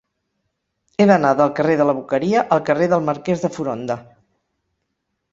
He d'anar del carrer de la Boqueria al carrer del Marquès de Foronda.